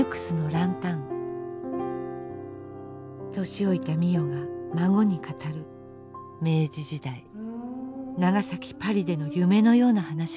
年老いた美世が孫に語る明治時代長崎パリでの夢のような話が終わりました。